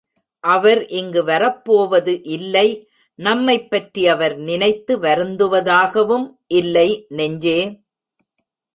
அவர் இங்கு வரப்போவது இல்லை நம்மைப்பற்றி அவர் நினைத்து வருந்துவதாகவும் இல்லை. நெஞ்சே!